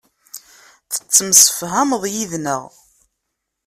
Tettemsefhameḍ yid-neɣ.